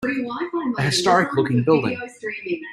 A historiclooking building.